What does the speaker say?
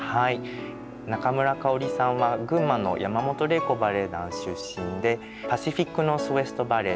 中村かおりさんは群馬の山本禮子バレエ団出身でパシフィック・ノースウエスト・バレエ